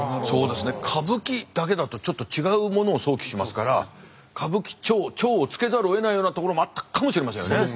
そうですね歌舞伎だけだとちょっと違うものを想起しますから歌舞伎町町を付けざるをえないようなところもあったかもしれませんよね。